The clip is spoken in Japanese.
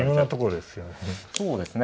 そうですね。